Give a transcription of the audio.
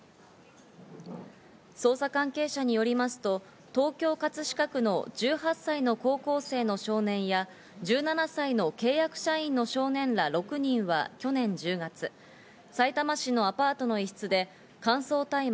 捜査関係者によりますと、東京・葛飾区の１８歳の高校生の少年や１７歳の契約社員の少年ら６人は去年１０月、さいたま市のアパートの一室で乾燥大麻